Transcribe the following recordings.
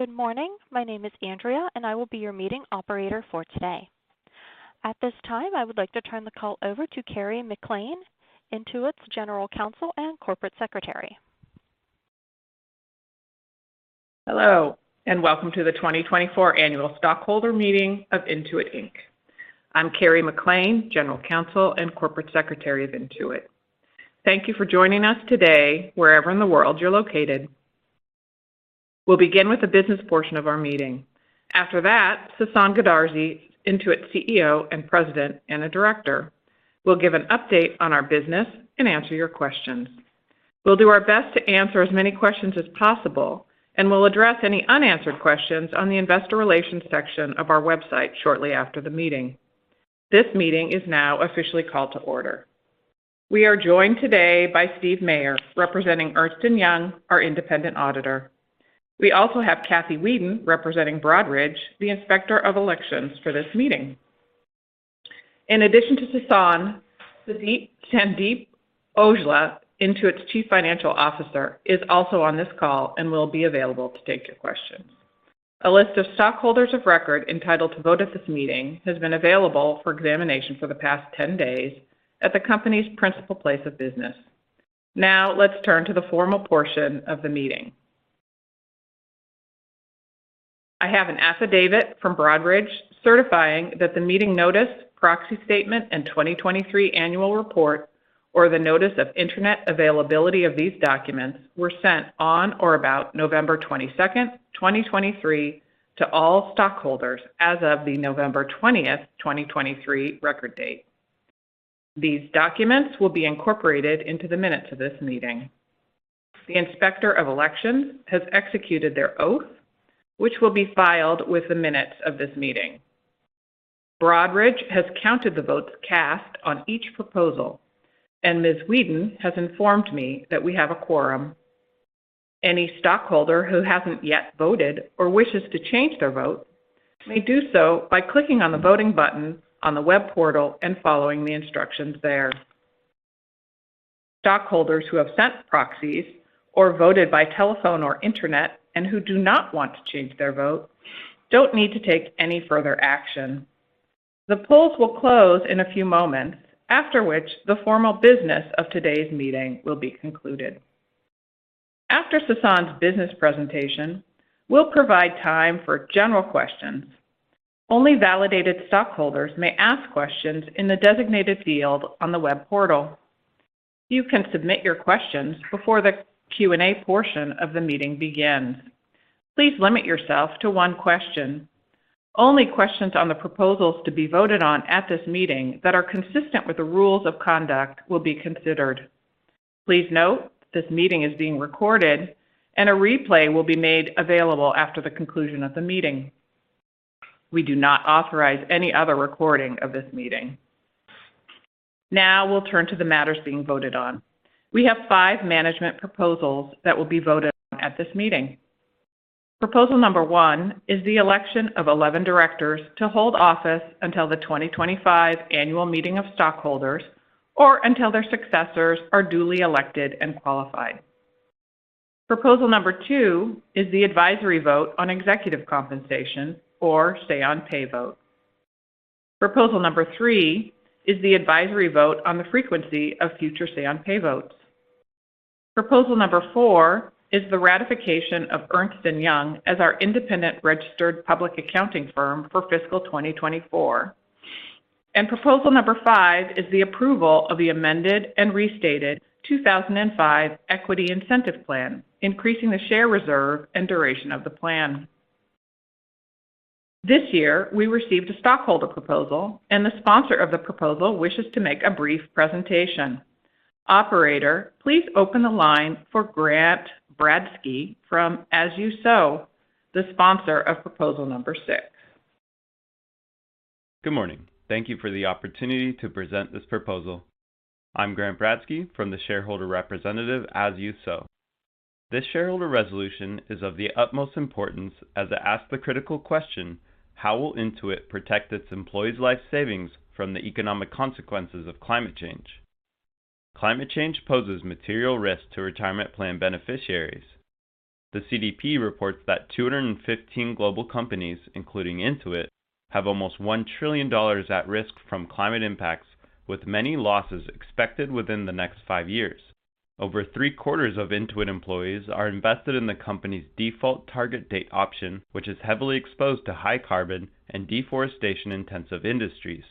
Good morning. My name is Andrea, and I will be your meeting operator for today. At this time, I would like to turn the call over to Kerry McLean, Intuit's General Counsel and Corporate Secretary. Hello, and welcome to the 2024 Annual Stockholder Meeting of Intuit Inc. I'm Kerry McLean, General Counsel and Corporate Secretary of Intuit. Thank you for joining us today, wherever in the world you're located. We'll begin with the business portion of our meeting. After that, Sasan Goodarzi, Intuit's CEO and President, and a director, will give an update on our business and answer your questions. We'll do our best to answer as many questions as possible, and we'll address any unanswered questions on the investor relations section of our website shortly after the meeting. This meeting is now officially called to order. We are joined today by Steve Mayer, representing Ernst & Young, our independent auditor. We also have Cathy Weeden, representing Broadridge, the Inspector of Elections for this meeting. In addition to Sasan, Sandeep Aujla, Intuit's Chief Financial Officer, is also on this call and will be available to take your questions. A list of stockholders of record entitled to vote at this meeting has been available for examination for the past 10 days at the company's principal place of business. Now, let's turn to the formal portion of the meeting. I have an affidavit from Broadridge certifying that the meeting notice, proxy statement, and 2023 annual report, or the notice of internet availability of these documents, were sent on or about November 22nd, 2023, to all stockholders as of the November 20th, 2023, record date. These documents will be incorporated into the minutes of this meeting. The Inspector of Elections has executed their oath, which will be filed with the minutes of this meeting. Broadridge has counted the votes cast on each proposal, and Ms. Weeden has informed me that we have a quorum. Any stockholder who hasn't yet voted or wishes to change their vote may do so by clicking on the voting button on the web portal and following the instructions there. Stockholders who have sent proxies or voted by telephone or internet and who do not want to change their vote don't need to take any further action. The polls will close in a few moments, after which the formal business of today's meeting will be concluded. After Sasan's business presentation, we'll provide time for general questions. Only validated stockholders may ask questions in the designated field on the web portal. You can submit your questions before the Q&A portion of the meeting begins. Please limit yourself to one question. Only questions on the proposals to be voted on at this meeting that are consistent with the rules of conduct will be considered. Please note, this meeting is being recorded, and a replay will be made available after the conclusion of the meeting. We do not authorize any other recording of this meeting. Now, we'll turn to the matters being voted on. We have 5 management proposals that will be voted on at this meeting. Proposal number 1 is the election of 11 directors to hold office until the 2025 Annual Meeting of Stockholders or until their successors are duly elected and qualified. Proposal number 2 is the advisory vote on executive compensation or Say on Pay vote. Proposal number 3 is the advisory vote on the frequency of future Say on Pay votes. Proposal number 4 is the ratification of Ernst & Young as our independent registered public accounting firm for fiscal 2024. Proposal number 5 is the approval of the amended and restated 2005 equity incentive plan, increasing the share reserve and duration of the plan. This year, we received a stockholder proposal, and the sponsor of the proposal wishes to make a brief presentation. Operator, please open the line for Grant Bradski from As You Sow, the sponsor of proposal number 6. Good morning. Thank you for the opportunity to present this proposal. I'm Grant Bradski from the shareholder representative, As You Sow. This shareholder resolution is of the utmost importance as it asks the critical question: How will Intuit protect its employees' life savings from the economic consequences of climate change? Climate change poses material risk to retirement plan beneficiaries. The CDP reports that 215 global companies, including Intuit, have almost $1 trillion at risk from climate impacts, with many losses expected within the next five years. Over three-quarters of Intuit employees are invested in the company's default target date option, which is heavily exposed to high carbon and deforestation-intensive industries.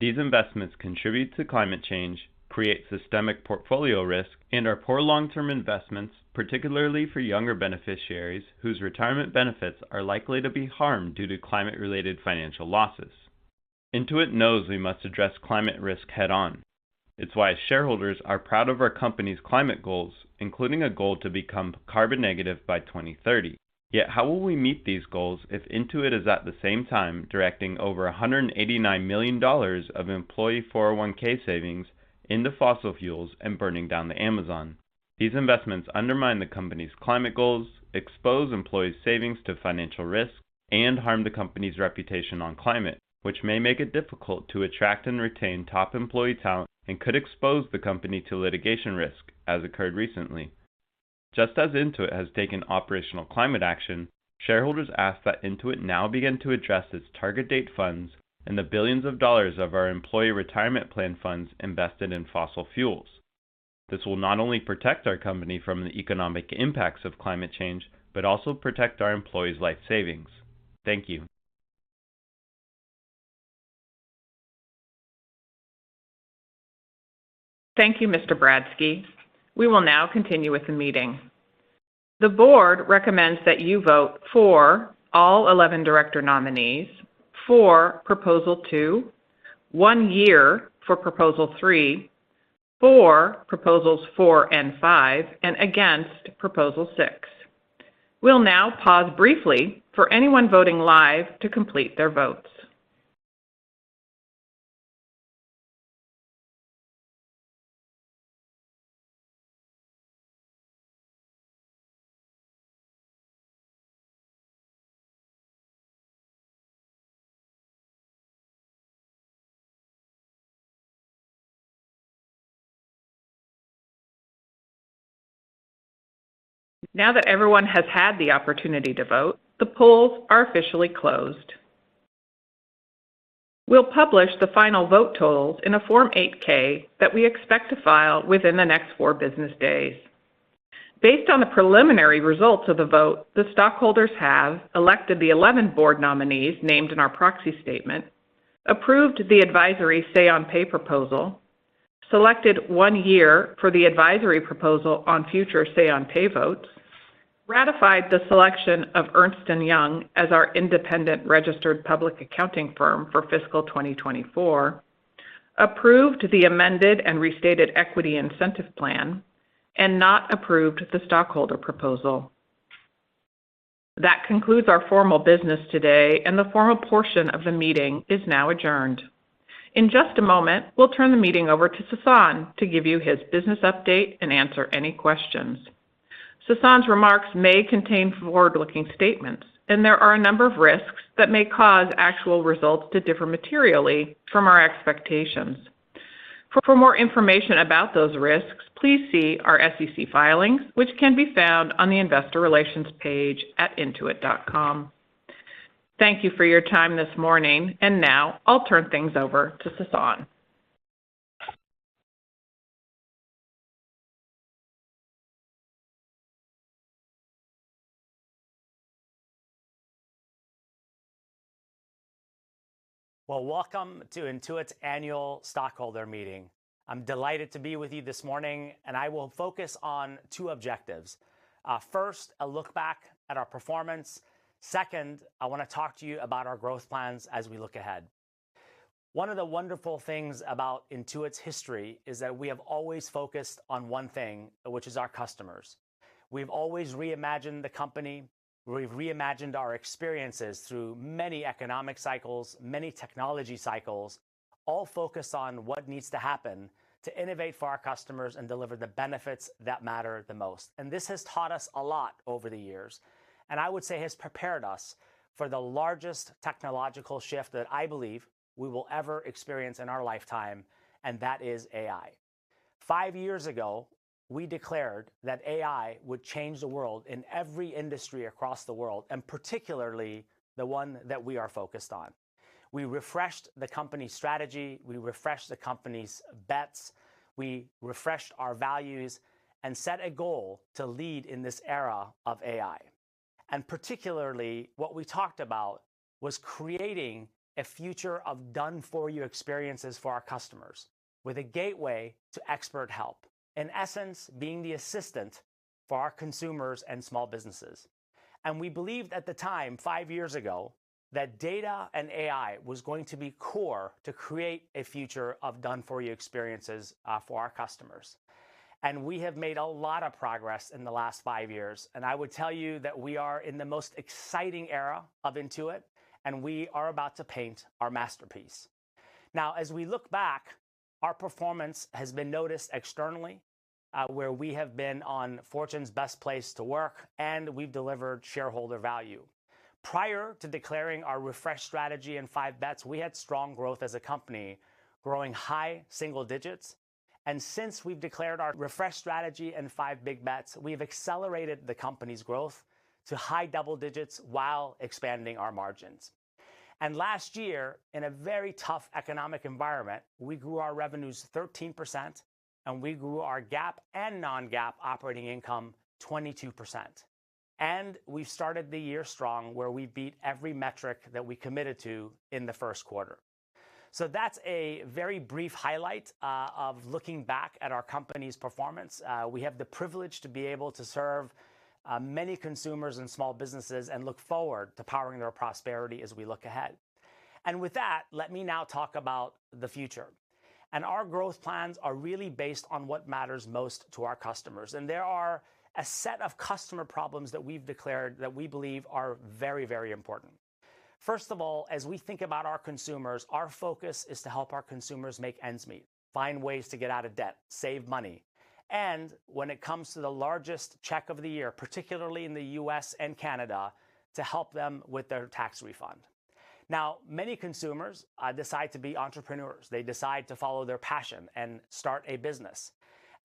These investments contribute to climate change, create systemic portfolio risk, and are poor long-term investments, particularly for younger beneficiaries whose retirement benefits are likely to be harmed due to climate-related financial losses. Intuit knows we must address climate risk head-on. It's why shareholders are proud of our company's climate goals, including a goal to become carbon negative by 2030. Yet, how will we meet these goals if Intuit is at the same time directing over $189 million of employee 401(k) savings into fossil fuels and burning down the Amazon? These investments undermine the company's climate goals, expose employees' savings to financial risk, and harm the company's reputation on climate, which may make it difficult to attract and retain top employee talent and could expose the company to litigation risk, as occurred recently.... Just as Intuit has taken operational climate action, shareholders ask that Intuit now begin to address its target date funds and the $ billions of our employee retirement plan funds invested in fossil fuels. This will not only protect our company from the economic impacts of climate change, but also protect our employees' life savings. Thank you. Thank you, Mr. Bradski. We will now continue with the meeting. The board recommends that you vote for all 11 director nominees, for Proposal Two, one year for Proposal Three, for Proposals Four and Five, and against Proposal Six. We'll now pause briefly for anyone voting live to complete their votes. Now that everyone has had the opportunity to vote, the polls are officially closed. We'll publish the final vote totals in a Form 8-K that we expect to file within the next four business days. Based on the preliminary results of the vote, the stockholders have elected the 11 board nominees named in our proxy statement, approved the advisory Say on Pay proposal, selected 1 year for the advisory proposal on future Say on Pay votes, ratified the selection of Ernst & Young as our independent registered public accounting firm for fiscal 2024, approved the amended and restated equity incentive plan, and not approved the stockholder proposal. That concludes our formal business today, and the formal portion of the meeting is now adjourned. In just a moment, we'll turn the meeting over to Sasan to give you his business update and answer any questions. Sasan's remarks may contain forward-looking statements, and there are a number of risks that may cause actual results to differ materially from our expectations. For more information about those risks, please see our SEC filings, which can be found on the investor relations page at intuit.com. Thank you for your time this morning, and now I'll turn things over to Sasan. Well, welcome to Intuit's annual stockholder meeting. I'm delighted to be with you this morning, and I will focus on two objectives. First, a look back at our performance. Second, I want to talk to you about our growth plans as we look ahead. One of the wonderful things about Intuit's history is that we have always focused on one thing, which is our customers. We've always reimagined the company, we've reimagined our experiences through many economic cycles, many technology cycles, all focused on what needs to happen to innovate for our customers and deliver the benefits that matter the most. This has taught us a lot over the years, and I would say has prepared us for the largest technological shift that I believe we will ever experience in our lifetime, and that is AI. Five years ago, we declared that AI would change the world in every industry across the world, and particularly the one that we are focused on. We refreshed the company's strategy, we refreshed the company's bets, we refreshed our values and set a goal to lead in this era of AI. And particularly, what we talked about was creating a future of done-for-you experiences for our customers, with a gateway to expert help. In essence, being the assistant for our consumers and small businesses. And we believed at the time, five years ago, that data and AI was going to be core to create a future of done-for-you experiences, for our customers. And we have made a lot of progress in the last five years, and I would tell you that we are in the most exciting era of Intuit, and we are about to paint our masterpiece. Now, as we look back, our performance has been noticed externally, where we have been on Fortune's Best Place to Work, and we've delivered shareholder value. Prior to declaring our refresh strategy and five bets, we had strong growth as a company, growing high single digits, and since we've declared our refresh strategy and five big bets, we've accelerated the company's growth to high double digits while expanding our margins. Last year, in a very tough economic environment, we grew our revenues 13%, and we grew our GAAP and non-GAAP operating income 22%. We've started the year strong, where we beat every metric that we committed to in the first quarter. So that's a very brief highlight of looking back at our company's performance. We have the privilege to be able to serve, many consumers and small businesses and look forward to powering their prosperity as we look ahead. And with that, let me now talk about the future. And our growth plans are really based on what matters most to our customers, and there are a set of customer problems that we've declared that we believe are very, very important.... First of all, as we think about our consumers, our focus is to help our consumers make ends meet, find ways to get out of debt, save money, and when it comes to the largest check of the year, particularly in the U.S. and Canada, to help them with their tax refund. Now, many consumers decide to be entrepreneurs. They decide to follow their passion and start a business,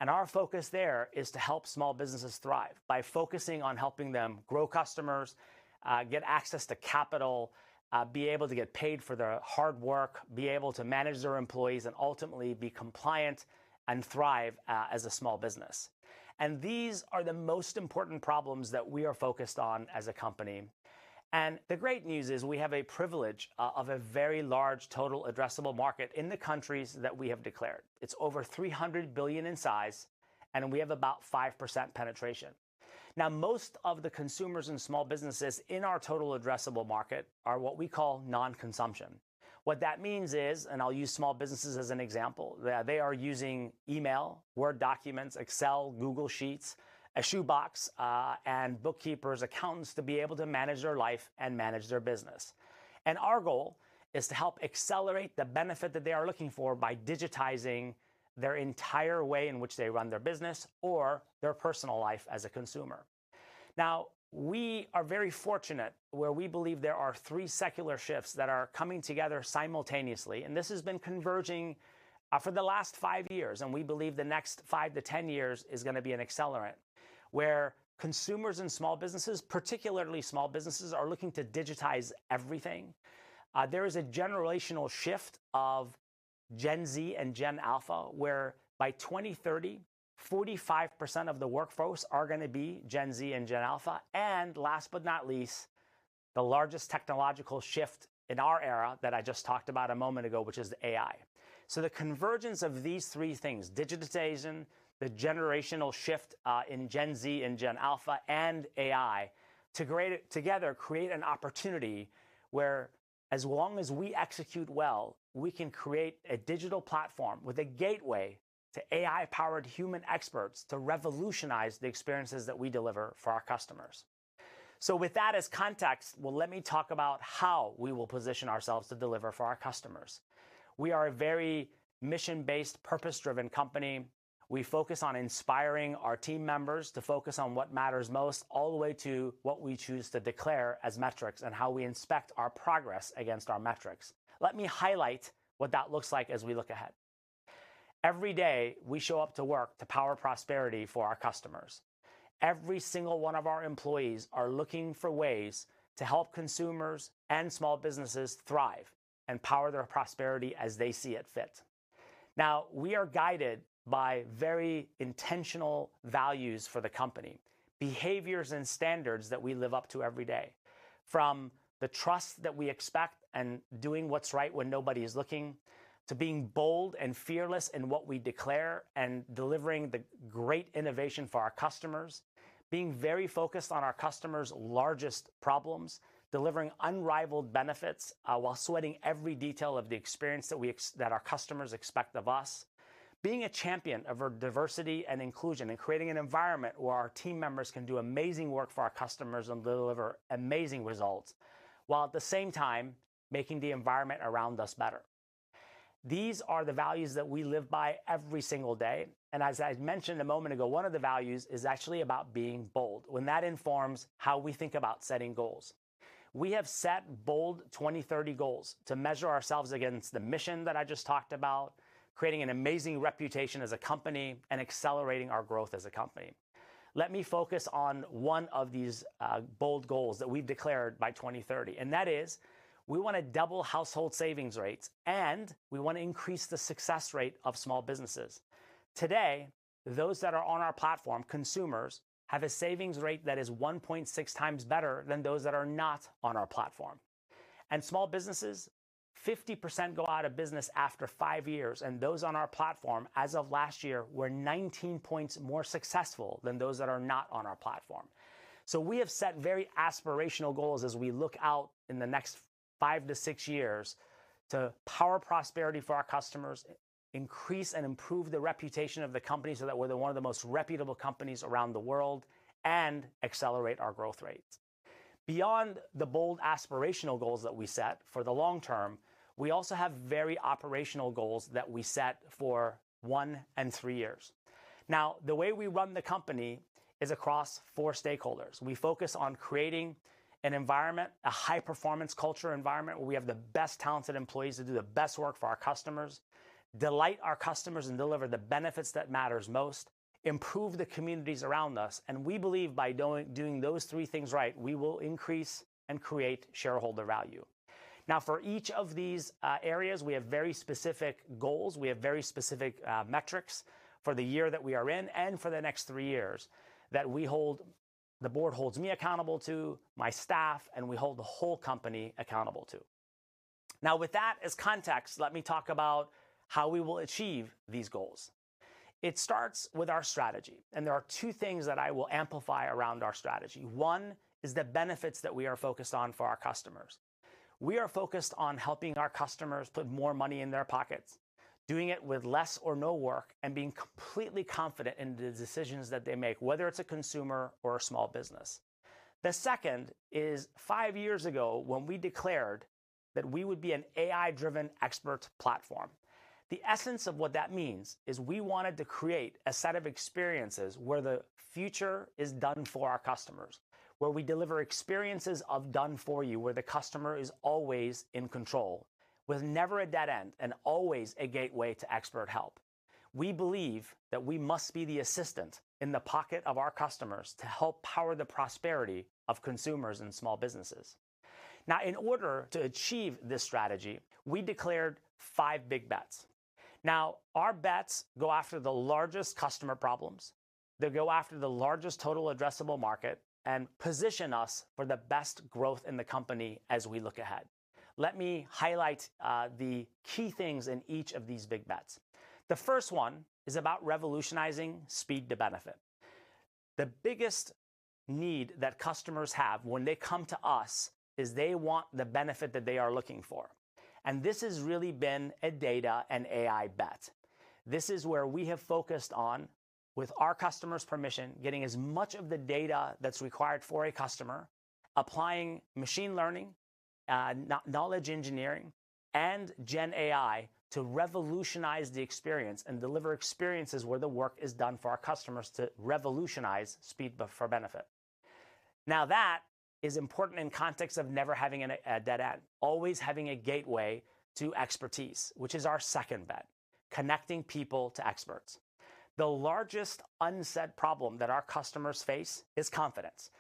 and our focus there is to help small businesses thrive by focusing on helping them grow customers, get access to capital, be able to get paid for their hard work, be able to manage their employees, and ultimately be compliant and thrive, as a small business. And these are the most important problems that we are focused on as a company. And the great news is we have a privilege of a very large total addressable market in the countries that we have declared. It's over $300 billion in size, and we have about 5% penetration. Now, most of the consumers and small businesses in our total addressable market are what we call non-consumption. What that means is, and I'll use small businesses as an example, that they are using email, Word documents, Excel, Google Sheets, a shoebox, and bookkeepers, accountants, to be able to manage their life and manage their business. And our goal is to help accelerate the benefit that they are looking for by digitizing their entire way in which they run their business or their personal life as a consumer. Now, we are very fortunate, where we believe there are three secular shifts that are coming together simultaneously, and this has been converging, for the last five years, and we believe the next five to 10 years is gonna be an accelerant, where consumers and small businesses, particularly small businesses, are looking to digitize everything. There is a generational shift of Gen Z and Gen Alpha, whereby 2030, 45% of the workforce are gonna be Gen Z and Gen Alpha. And last but not least, the largest technological shift in our era that I just talked about a moment ago, which is AI. So the convergence of these three things, digitization, the generational shift in Gen Z and Gen Alpha, and AI, together create an opportunity where as long as we execute well, we can create a digital platform with a gateway to AI-powered human experts to revolutionize the experiences that we deliver for our customers. So with that as context, well, let me talk about how we will position ourselves to deliver for our customers. We are a very mission-based, purpose-driven company. We focus on inspiring our team members to focus on what matters most, all the way to what we choose to declare as metrics and how we inspect our progress against our metrics. Let me highlight what that looks like as we look ahead. Every day, we show up to work to power prosperity for our customers. Every single one of our employees are looking for ways to help consumers and small businesses thrive and power their prosperity as they see it fit. Now, we are guided by very intentional values for the company, behaviors and standards that we live up to every day. From the trust that we expect and doing what's right when nobody is looking, to being bold and fearless in what we declare and delivering the great innovation for our customers, being very focused on our customers' largest problems, delivering unrivaled benefits, while sweating every detail of the experience that our customers expect of us. Being a champion of our diversity and inclusion and creating an environment where our team members can do amazing work for our customers and deliver amazing results, while at the same time, making the environment around us better. These are the values that we live by every single day, and as I mentioned a moment ago, one of the values is actually about being bold, and that informs how we think about setting goals. We have set bold 2030 goals to measure ourselves against the mission that I just talked about, creating an amazing reputation as a company, and accelerating our growth as a company. Let me focus on one of these, bold goals that we've declared by 2030, and that is, we wanna double household savings rates, and we want to increase the success rate of small businesses. Today, those that are on our platform, consumers, have a savings rate that is 1.6 times better than those that are not on our platform. And small businesses, 50% go out of business after 5 years, and those on our platform, as of last year, were 19 points more successful than those that are not on our platform. So we have set very aspirational goals as we look out in the next 5-6 years to power prosperity for our customers, increase and improve the reputation of the company so that we're one of the most reputable companies around the world, and accelerate our growth rates. Beyond the bold aspirational goals that we set for the long term, we also have very operational goals that we set for 1 and 3 years. Now, the way we run the company is across 4 stakeholders. We focus on creating an environment, a high-performance culture environment, where we have the best talented employees to do the best work for our customers, delight our customers and deliver the benefits that matters most, improve the communities around us, and we believe by doing, doing those three things right, we will increase and create shareholder value. Now, for each of these areas, we have very specific goals. We have very specific metrics for the year that we are in and for the next three years, that the board holds me accountable to, my staff, and we hold the whole company accountable to. Now, with that as context, let me talk about how we will achieve these goals. It starts with our strategy, and there are two things that I will amplify around our strategy. One is the benefits that we are focused on for our customers. We are focused on helping our customers put more money in their pockets, doing it with less or no work, and being completely confident in the decisions that they make, whether it's a consumer or a small business. The second is, five years ago, when we declared that we would be an AI-driven expert platform, the essence of what that means is we wanted to create a set of experiences where the future is done for our customers, where we deliver experiences of done for you, where the customer is always in control, with never a dead end and always a gateway to expert help. We believe that we must be the assistant in the pocket of our customers to help power the prosperity of consumers and small businesses. Now, in order to achieve this strategy, we declared five big bets. Now, our bets go after the largest customer problems. They go after the largest total addressable market and position us for the best growth in the company as we look ahead. Let me highlight the key things in each of these big bets. The first one is about revolutionizing speed to benefit. The biggest need that customers have when they come to us is they want the benefit that they are looking for, and this has really been a data and AI bet. This is where we have focused on, with our customers' permission, getting as much of the data that's required for a customer, applying machine learning, knowledge engineering, and Gen AI to revolutionize the experience and deliver experiences where the work is done for our customers to revolutionize speed for benefit. Now, that is important in context of never having a dead end, always having a gateway to expertise, which is our second bet, connecting people to experts. The largest unsaid problem that our customers face is confidence.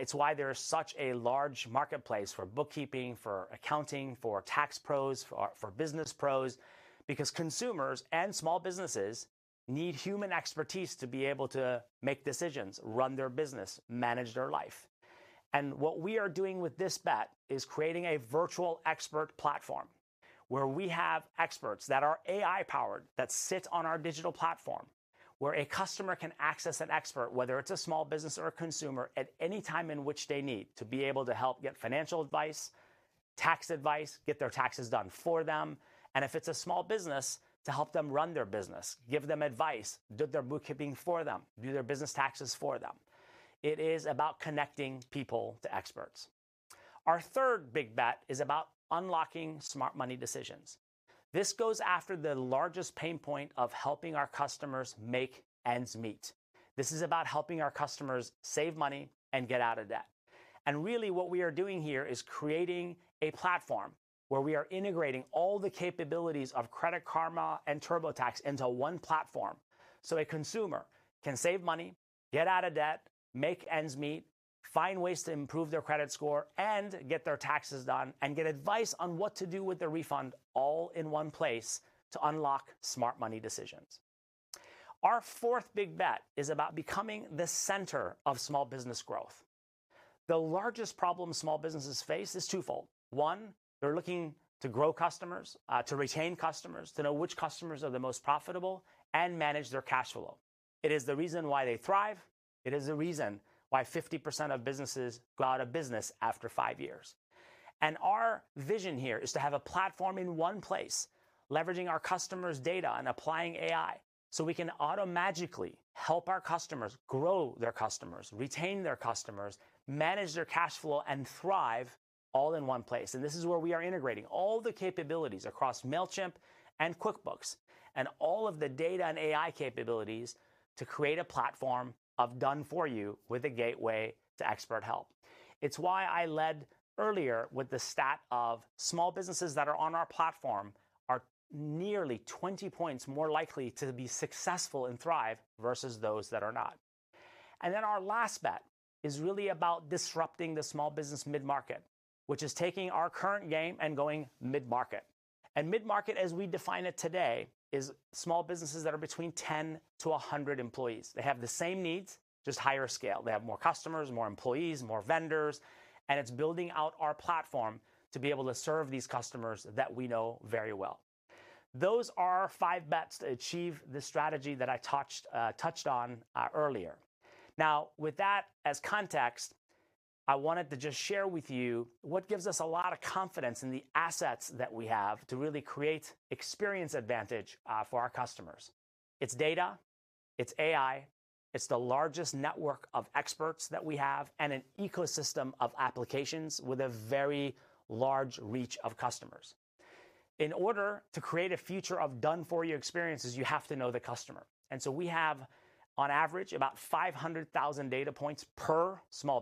It's why there is such a large marketplace for bookkeeping, for accounting, for tax pros, for, for business pros, because consumers and small businesses need human expertise to be able to make decisions, run their business, manage their life. And what we are doing with this bet is creating a virtual expert platform, where we have experts that are AI-powered, that sit on our digital platform, where a customer can access an expert, whether it's a small business or a consumer, at any time in which they need, to be able to help get financial advice, tax advice, get their taxes done for them, and if it's a small business, to help them run their business, give them advice, do their bookkeeping for them, do their business taxes for them. It is about connecting people to experts. Our third big bet is about unlocking smart money decisions. This goes after the largest pain point of helping our customers make ends meet. This is about helping our customers save money and get out of debt. And really, what we are doing here is creating a platform where we are integrating all the capabilities of Credit Karma and TurboTax into one platform, so a consumer can save money, get out of debt, make ends meet, find ways to improve their credit score, and get their taxes done, and get advice on what to do with their refund, all in one place to unlock smart money decisions. Our fourth big bet is about becoming the center of small business growth. The largest problem small businesses face is twofold. One, they're looking to grow customers, to retain customers, to know which customers are the most profitable, and manage their cash flow. It is the reason why they thrive. It is the reason why 50% of businesses go out of business after 5 years. Our vision here is to have a platform in one place, leveraging our customers' data and applying AI, so we can automagically help our customers grow their customers, retain their customers, manage their cash flow, and thrive all in one place. This is where we are integrating all the capabilities across Mailchimp and QuickBooks, and all of the data and AI capabilities to create a platform of done for you with a gateway to expert help. It's why I led earlier with the stat of small businesses that are on our platform are nearly 20 points more likely to be successful and thrive versus those that are not. Then our last bet is really about disrupting the small business mid-market, which is taking our current game and going mid-market. Mid-market, as we define it today, is small businesses that are between 10-100 employees. They have the same needs, just higher scale. They have more customers, more employees, more vendors, and it's building out our platform to be able to serve these customers that we know very well. Those are our 5 bets to achieve the strategy that I touched on earlier. Now, with that as context, I wanted to just share with you what gives us a lot of confidence in the assets that we have to really create experience advantage for our customers. It's data, it's AI, it's the largest network of experts that we have, and an ecosystem of applications with a very large reach of customers. In order to create a future of done-for-you experiences, you have to know the customer, and so we have, on average, about 500,000 data points per small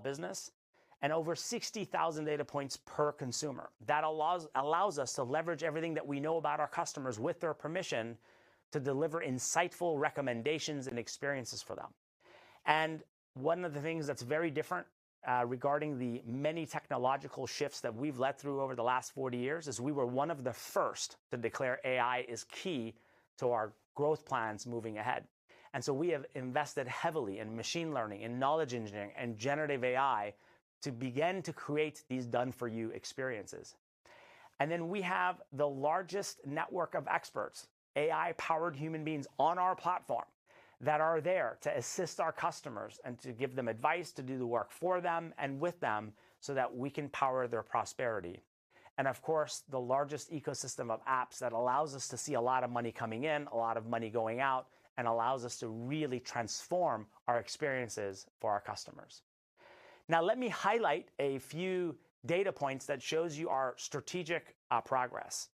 business and over 60,000 data points per consumer. That allows us to leverage everything that we know about our customers, with their permission, to deliver insightful recommendations and experiences for them. And one of the things that's very different regarding the many technological shifts that we've led through over the last 40 years is we were one of the first to declare AI is key to our growth plans moving ahead. And so we have invested heavily in machine learning, in knowledge engineering, and generative AI to begin to create these done-for-you experiences. And then we have the largest network of experts, AI-powered human beings on our platform, that are there to assist our customers and to give them advice, to do the work for them and with them, so that we can power their prosperity. And of course, the largest ecosystem of apps that allows us to see a lot of money coming in, a lot of money going out, and allows us to really transform our experiences for our customers. Now, let me highlight a few data points that shows you our strategic progress.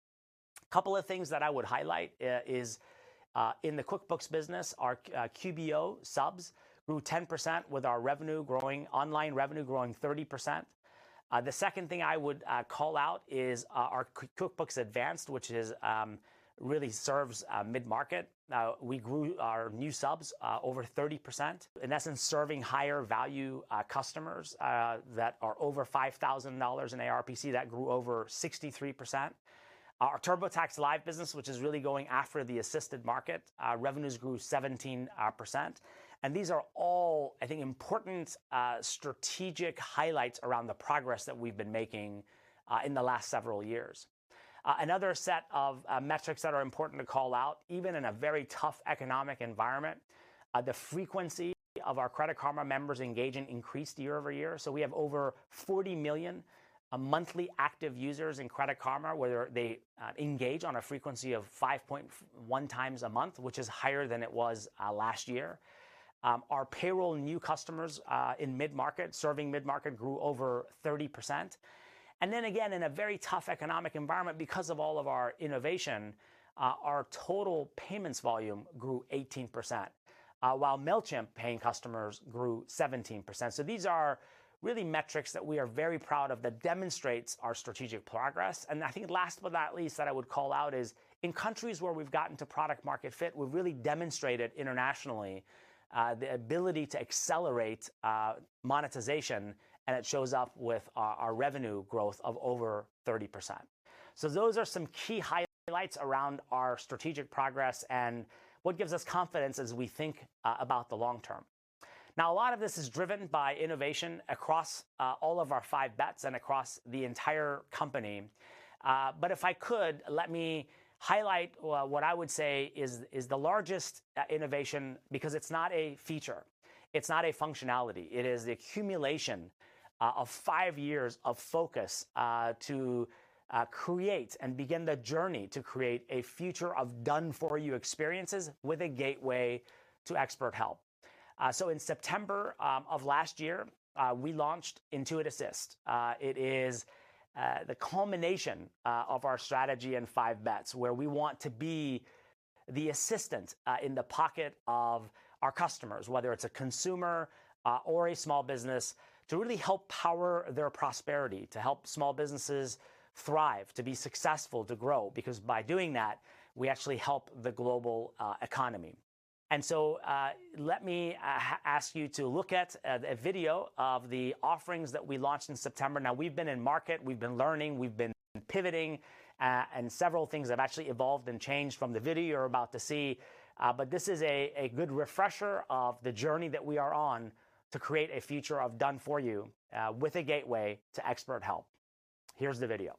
Couple of things that I would highlight is in the QuickBooks business, our QBO subs grew 10% with our revenue growing, online revenue growing 30%. The second thing I would call out is our QuickBooks Advanced, which really serves mid-market. We grew our new subs over 30%. In essence, serving higher value customers that are over $5,000 in ARPC, that grew over 63%. Our TurboTax Live business, which is really going after the assisted market, revenues grew 17%. And these are all, I think, important strategic highlights around the progress that we've been making in the last several years. Another set of metrics that are important to call out, even in a very tough economic environment, the frequency of our Credit Karma members engaging increased year-over-year. So we have over 40 million monthly active users in Credit Karma, where they engage on a frequency of 5.1 times a month, which is higher than it was last year. Our payroll new customers in mid-market, serving mid-market, grew over 30%. And then again, in a very tough economic environment, because of all of our innovation, our total payments volume grew 18%, while Mailchimp-paying customers grew 17%. So these are really metrics that we are very proud of, that demonstrates our strategic progress. And I think last but not least, that I would call out is, in countries where we've gotten to product market fit, we've really demonstrated internationally the ability to accelerate monetization, and it shows up with our, our revenue growth of over 30%. So those are some key highlights around our strategic progress and what gives us confidence as we think about the long term. Now, a lot of this is driven by innovation across all of our five bets and across the entire company. But if I could, let me highlight what, what I would say is, is the largest innovation, because it's not a feature, it's not a functionality. It is the accumulation of five years of focus to create and begin the journey to create a future of done-for-you experiences, with a gateway to expert help. So in September of last year, we launched Intuit Assist. It is the culmination of our strategy in five bets, where we want to be the assistant in the pocket of our customers, whether it's a consumer or a small business, to really help power their prosperity, to help small businesses thrive, to be successful, to grow, because by doing that, we actually help the global economy. And so, let me ask you to look at a video of the offerings that we launched in September. Now, we've been in market, we've been learning, we've been pivoting, and several things have actually evolved and changed from the video you're about to see. But this is a good refresher of the journey that we are on, to create a future of done for you, with a gateway to expert help. Here's the video. ...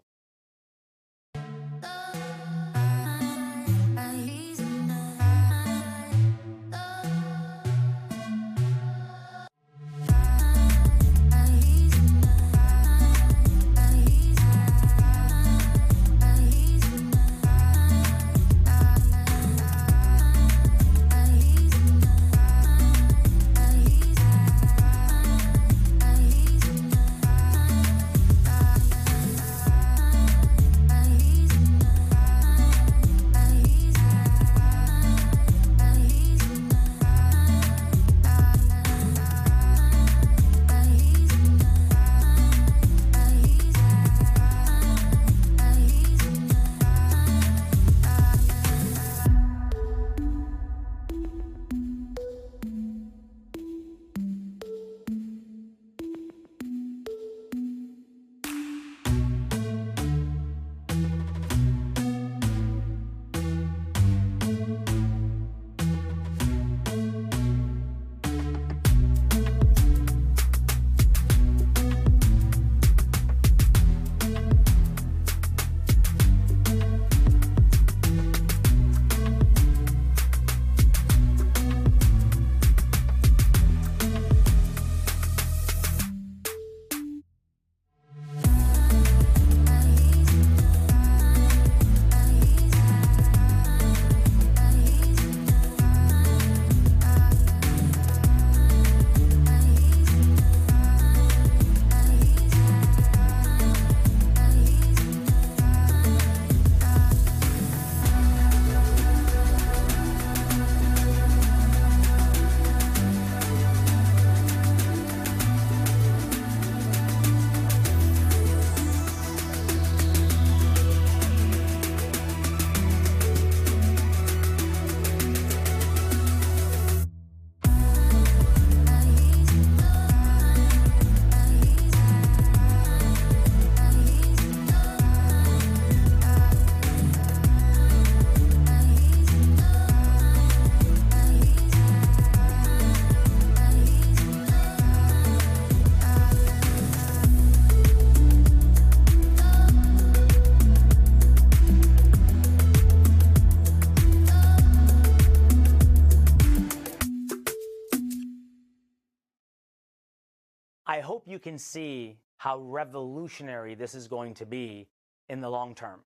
I hope you can see how revolutionary this is going to be in the long term.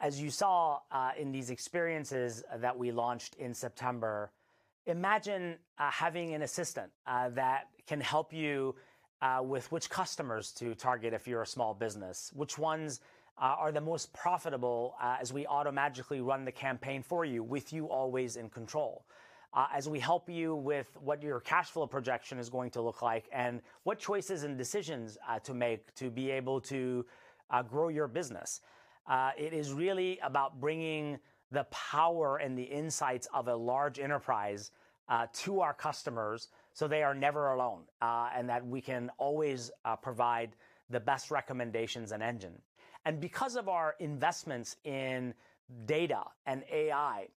As you saw, in these experiences that we launched in September, imagine having an assistant that can help you with which customers to target if you're a small business, which ones are the most profitable, as we automatically run the campaign for you, with you always in control. As we help you with what your cash flow projection is going to look like, and what choices and decisions to make to be able to grow your business. It is really about bringing the power and the insights of a large enterprise to our customers, so they are never alone. And that we can always provide the best recommendations and engine. Because of our investments in data and AI,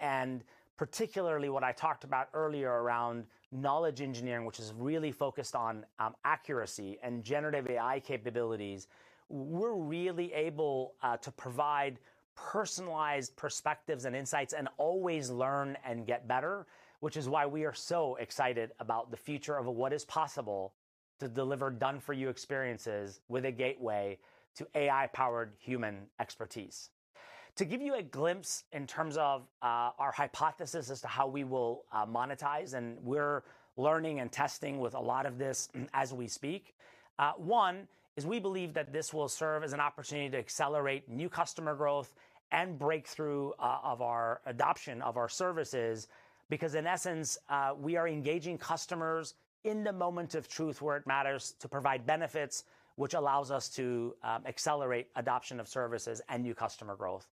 and particularly what I talked about earlier around knowledge engineering, which is really focused on, accuracy and generative AI capabilities, we're really able, to provide personalized perspectives and insights and always learn and get better, which is why we are so excited about the future of what is possible to deliver done-for-you experiences with a gateway to AI-powered human expertise. To give you a glimpse in terms of, our hypothesis as to how we will, monetize, and we're learning and testing with a lot of this as we speak. One, is we believe that this will serve as an opportunity to accelerate new customer growth and breakthrough of our adoption of our services, because in essence, we are engaging customers in the moment of truth, where it matters to provide benefits, which allows us to accelerate adoption of services and new customer growth.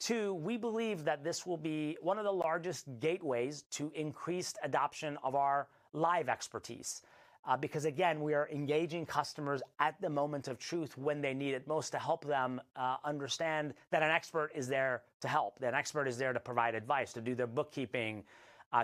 Two, we believe that this will be one of the largest gateways to increased adoption of our live expertise, because again, we are engaging customers at the moment of truth when they need it most, to help them understand that an expert is there to help, that an expert is there to provide advice, to do their bookkeeping,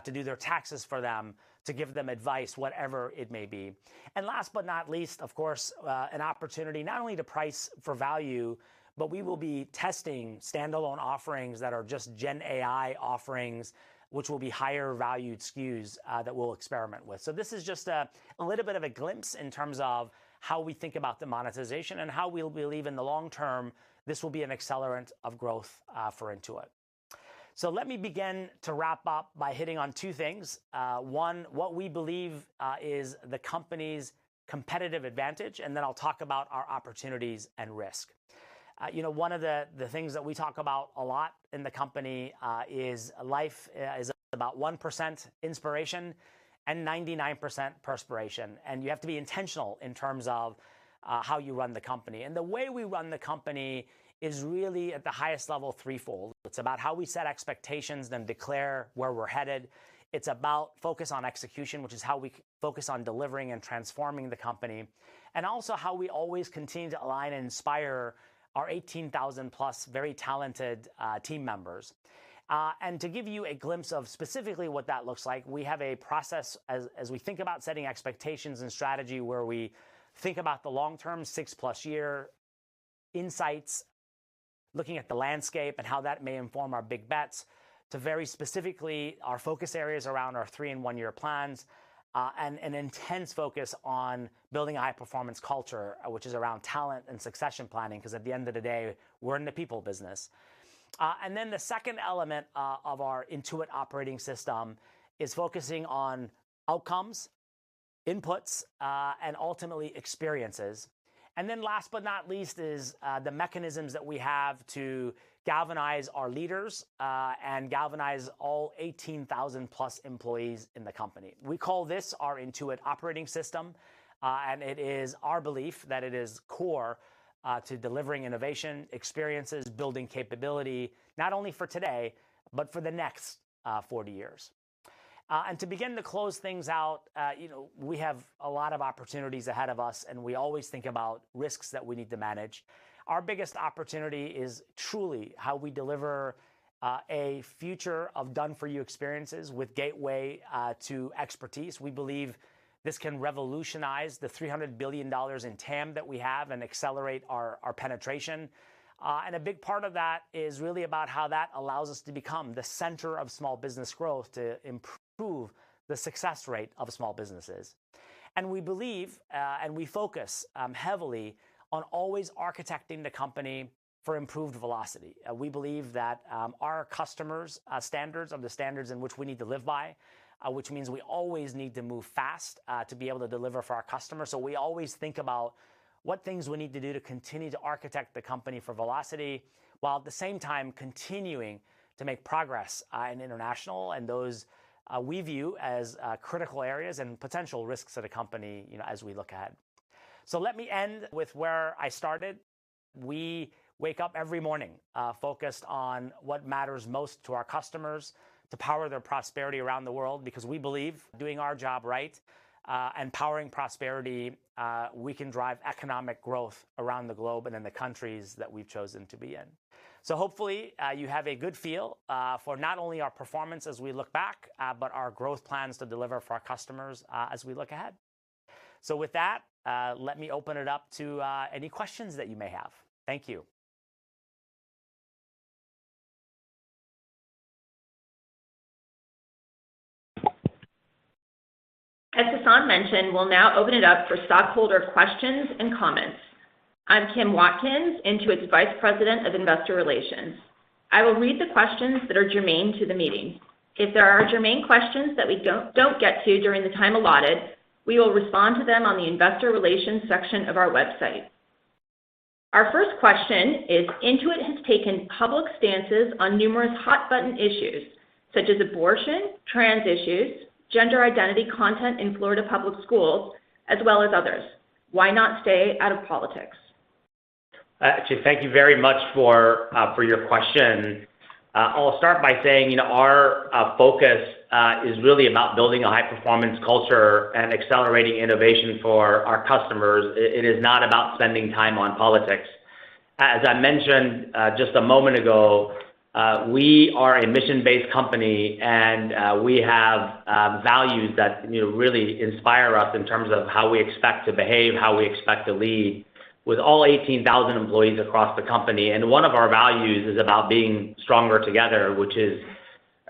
to do their taxes for them, to give them advice, whatever it may be. And last but not least, of course, an opportunity not only to price for value, but we will be testing standalone offerings that are just Gen AI offerings, which will be higher valued SKUs, that we'll experiment with. So this is just a little bit of a glimpse in terms of how we think about the monetization and how we believe in the long term this will be an accelerant of growth, for Intuit. So let me begin to wrap up by hitting on two things. One, what we believe is the company's competitive advantage, and then I'll talk about our opportunities and risk. You know, one of the things that we talk about a lot in the company is life is about 1% inspiration and 99% perspiration, and you have to be intentional in terms of how you run the company. And the way we run the company is really at the highest level, threefold. It's about how we set expectations, then declare where we're headed. It's about focus on execution, which is how we focus on delivering and transforming the company, and also how we always continue to align and inspire our 18,000+ very talented team members. And to give you a glimpse of specifically what that looks like, we have a process as we think about setting expectations and strategy, where we think about the long term, 6+ year insights, looking at the landscape and how that may inform our big bets, to very specifically our focus areas around our 3- and 1-year plans, and an intense focus on building a high-performance culture, which is around talent and succession planning, 'cause at the end of the day, we're in the people business. Then the second element of our Intuit Operating System is focusing on outcomes, inputs, and ultimately experiences. Then last but not least is the mechanisms that we have to galvanize our leaders and galvanize all 18,000+ employees in the company. We call this our Intuit Operating System, and it is our belief that it is core to delivering innovation, experiences, building capability, not only for today, but for the next 40 years. To begin to close things out, you know, we have a lot of opportunities ahead of us, and we always think about risks that we need to manage. Our biggest opportunity is truly how we deliver a future of done-for-you experiences with gateway to expertise. We believe this can revolutionize the $300 billion in TAM that we have and accelerate our, our penetration. A big part of that is really about how that allows us to become the center of small business growth, to improve the success rate of small businesses. And we believe, and we focus, heavily on always architecting the company for improved velocity. We believe that, our customers' standards are the standards in which we need to live by, which means we always need to move fast, to be able to deliver for our customers. So we always think about what things we need to do to continue to architect the company for velocity, while at the same time continuing to make progress, in international and those, we view as, critical areas and potential risks at a company, you know, as we look ahead. So let me end with where I started. We wake up every morning, focused on what matters most to our customers, to power their prosperity around the world, because we believe doing our job right, and powering prosperity, we can drive economic growth around the globe and in the countries that we've chosen to be in. So hopefully, you have a good feel, for not only our performance as we look back, but our growth plans to deliver for our customers, as we look ahead.... So with that, let me open it up to any questions that you may have. Thank you. As Sasan mentioned, we'll now open it up for stockholder questions and comments. I'm Kim Watkins, Intuit's Vice President of Investor Relations. I will read the questions that are germane to the meeting. If there are germane questions that we don't get to during the time allotted, we will respond to them on the investor relations section of our website. Our first question is: Intuit has taken public stances on numerous hot-button issues, such as abortion, trans issues, gender identity content in Florida public schools, as well as others. Why not stay out of politics? So thank you very much for your question. I'll start by saying, you know, our focus is really about building a high-performance culture and accelerating innovation for our customers. It is not about spending time on politics. As I mentioned just a moment ago, we are a mission-based company, and we have values that, you know, really inspire us in terms of how we expect to behave, how we expect to lead with all 18,000 employees across the company. And one of our values is about being stronger together, which is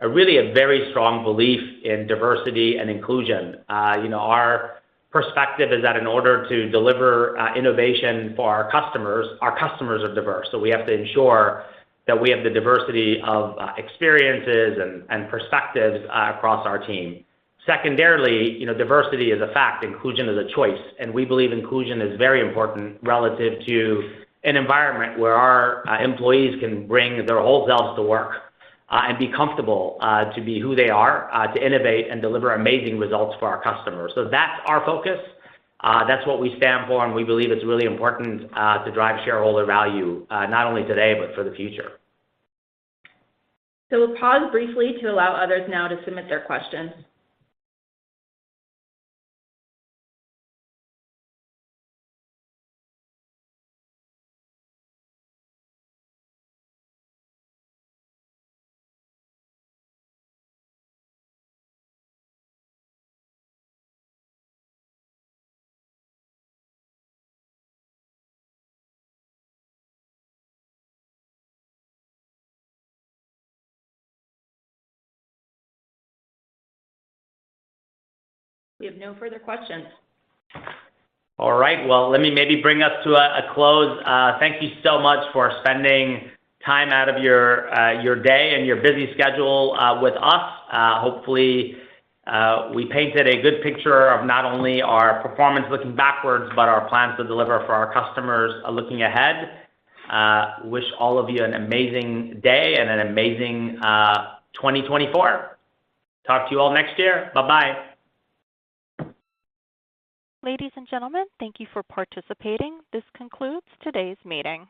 really a very strong belief in diversity and inclusion. You know, our perspective is that in order to deliver innovation for our customers, our customers are diverse. So we have to ensure that we have the diversity of experiences and perspectives across our team. Secondarily, you know, diversity is a fact, inclusion is a choice, and we believe inclusion is very important relative to an environment where our employees can bring their whole selves to work and be comfortable to be who they are to innovate and deliver amazing results for our customers. So that's our focus, that's what we stand for, and we believe it's really important to drive shareholder value not only today but for the future. We'll pause briefly to allow others now to submit their questions. We have no further questions. All right, well, let me maybe bring us to a close. Thank you so much for spending time out of your day and your busy schedule with us. Hopefully, we painted a good picture of not only our performance looking backwards, but our plans to deliver for our customers looking ahead. Wish all of you an amazing day and an amazing 2024. Talk to you all next year. Bye-bye! Ladies and gentlemen, thank you for participating. This concludes today's meeting.